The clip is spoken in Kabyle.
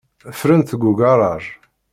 Ffrent deg ugaṛaj.